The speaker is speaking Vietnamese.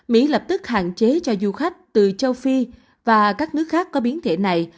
mỹ lập tức hạn chế cho du khách từ châu phi và các nước khác có biến thể này